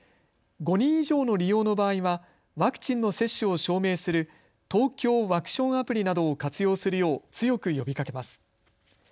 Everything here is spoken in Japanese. ５人以上の利用の場合はワクチンの接種を証明するＴＯＫＹＯワクションアプリなどを活用するよう強く呼びかけます。